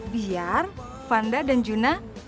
biar fanda dan juna